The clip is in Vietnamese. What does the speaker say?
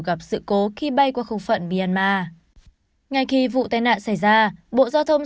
gặp sự cố khi bay qua khu vực myanmar ngay khi vụ tai nạn xảy ra bộ giao thông